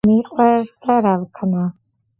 მიყვარს და რა ვქნა